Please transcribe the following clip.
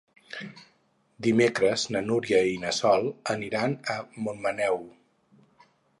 Dimecres na Núria i na Sol aniran a Montmaneu.